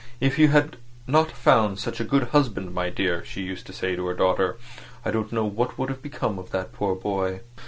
"If you had not found such a good husband, my dear," she used to say to her daughter, "I don't know what would have become of that poor boy."